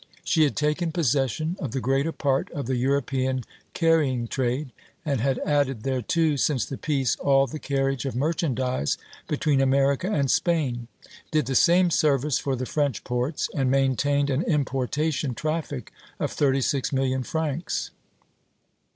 She had taken possession of the greater part of the European carrying trade, and had added thereto, since the peace, all the carriage of merchandise between America and Spain, did the same service for the French ports, and maintained an importation traffic of thirty six million francs.